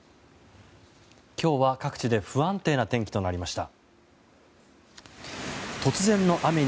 今日は各地で不安定な天気となりました。